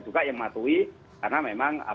juga yang mematuhi karena memang